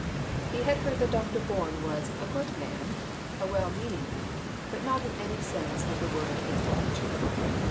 He had heard that Dr. Bourne was "a good man, a well meaning man, but not in any sense of the word a preacher.